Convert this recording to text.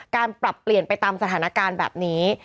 ปรับเปลี่ยนไปตามสถานการณ์แบบนี้